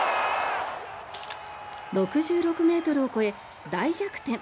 ６６ｍを超え大逆転。